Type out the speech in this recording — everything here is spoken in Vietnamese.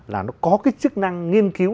là nó có cái chức năng nghiên cứu